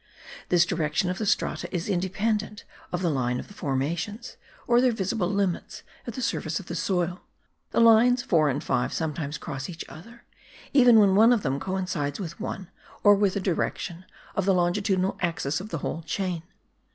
This direction of the strata is independent of the line of the formations, or their visible limits at the surface of the soil; the lines 4 and 5 sometimes cross each other, even when one of them coincides with 1, or with the direction of the longitudinal axis of the whole chain.